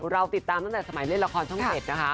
เราติดตามตั้งแต่สมัยเล่นละครช่อง๗นะคะ